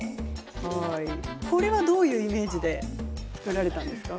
これはどういうイメージで作られたんですか？